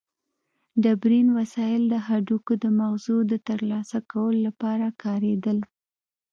ډبرین وسایل د هډوکو د مغزو د ترلاسه کولو لپاره کارېدل.